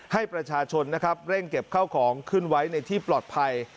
ให้ประชาชนนะครับเร่งเก็บข้าวของขึ้นไว้ในที่ปลอดภัย